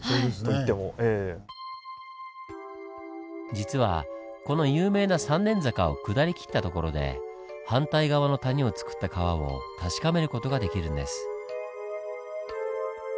実はこの有名な三年坂を下りきった所で反対側の谷をつくった川を確かめる事ができるんです。